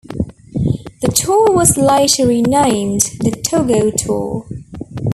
The tour was later renamed the Toggo Tour.